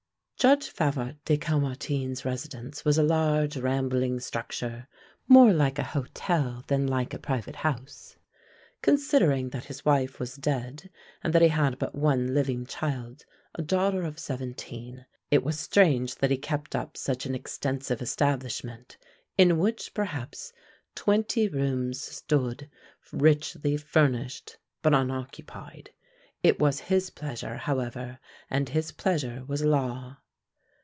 Judge Favart de Caumartin's residence was a large, rambling structure, more like a hotel than like a private house. Considering that his wife was dead and that he had but one living child, a daughter of seventeen, it was strange that he kept up such an extensive establishment, in which, perhaps, twenty rooms stood richly furnished but unoccupied. It was his pleasure, however, and his pleasure was law.